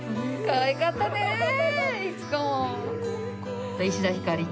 かわいかったね律子。